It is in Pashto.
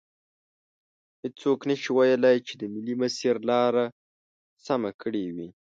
هیڅوک نشي ویلی چې د ملي مسیر لار سمه کړي وي.